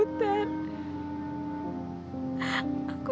aku bisa merasakan penderitaan kamu